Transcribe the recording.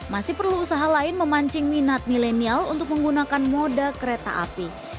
masih perlu usaha lain memancing minat milenial untuk menggunakan moda kereta api